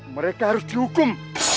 mereka harus dihukum